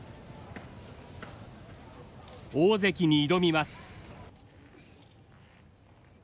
大関に挑みます。